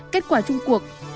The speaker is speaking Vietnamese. kết quả chung cuộc